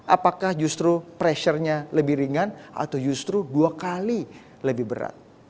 apakah justru pressure nya lebih ringan atau justru dua kali lebih berat